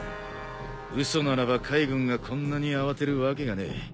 嘘ならば海軍がこんなに慌てるわけがねえ。